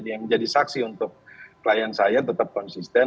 dia menjadi saksi untuk klien saya tetap konsisten